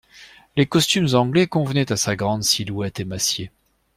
Les costumes anglais convenaient à sa grande silhouette émaciée.